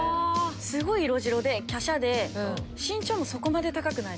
すごい色白で華奢で身長もそこまで高くない。